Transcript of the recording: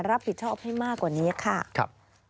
รับผิดชอบให้มากกว่านี้ค่ะ